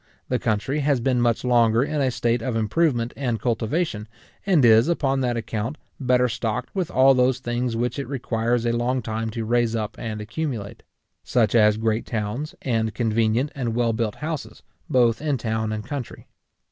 The country has been much longer in a state of improvement and cultivation, and is, upon that account, better stocked with all those things which it requires a long time to raise up and accumulate; such as great towns, and convenient and well built houses, both in town and country.